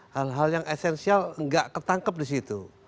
hal hal yang esensial enggak tertangkap di situ